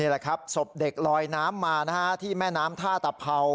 แหละครับศพเด็กลอยน้ำมาที่แม่น้ำท่าตะเผา